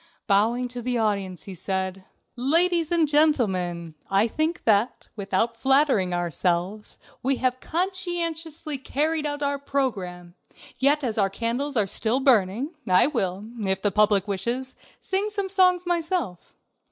Bowing to the audience, he said: "Ladies and gentlemen, I think that, without flattering ourselves, we have conscientiously carried out our program, yet as our candles are still burning, I will, if the public wishes, sing some songs myself.